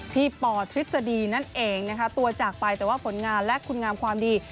ปทฤษฎีนั่นเองนะคะตัวจากไปแต่ว่าผลงานและคุณงามความดี